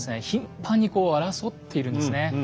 頻繁にこう争っているんですね。